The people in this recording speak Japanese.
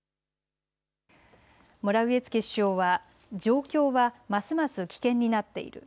モラウィエツキ首相は、状況はますます危険になっている。